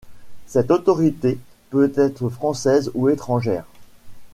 Cette autorité peut être française ou étrangère.